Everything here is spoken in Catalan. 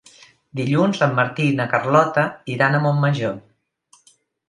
Dilluns en Martí i na Carlota iran a Montmajor.